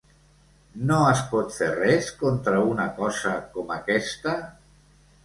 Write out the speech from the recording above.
No es pot fer res contra una cosa com aquesta?